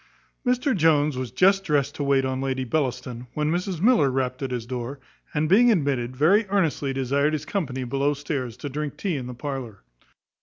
Mr Jones was just dressed to wait on Lady Bellaston, when Mrs Miller rapped at his door; and, being admitted, very earnestly desired his company below stairs, to drink tea in the parlour.